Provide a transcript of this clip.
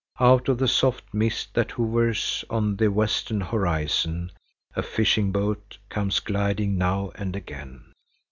Out of the soft mist that hovers on the western horizon a fishing boat comes gliding now and again.